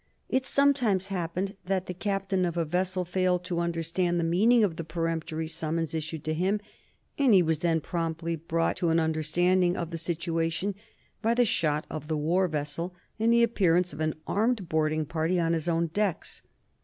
It sometimes happened that the captain of a vessel failed to understand the meaning of the peremptory summons issued to him, and he was then promptly brought to an understanding of the situation by the shot of the war vessel and the appearance of an armed boarding party on his own decks.